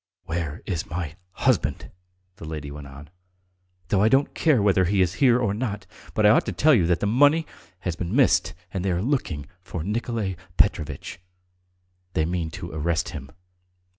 "Where is my husband?" the lady went on. "Though I don't care whether he is here or not, but I ought to tell you that the money has been missed, and they are looking for Nikolay Petrovitch. ... They mean to arrest him.